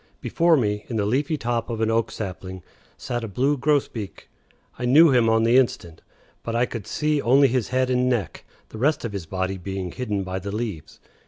Before me, in the leafy top of an oak sapling, sat a blue grosbeak. I knew him on the instant. But I could see only his head and neck, the rest of his body being hidden by the leaves.